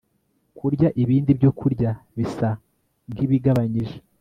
kurya ibindi byokurya bisa nkibigabanyije